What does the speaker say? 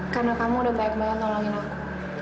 karena kamu udah banyak banyak nolongin aku